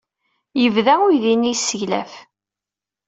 Yebda uydi-nni yesseglaf.